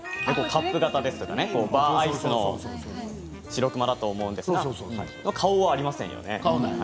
カップ型やバーアイスののしろくまだと思うんですが顔はありませんよね。